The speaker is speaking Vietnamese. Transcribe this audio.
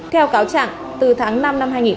theo cáo trạng từ tháng một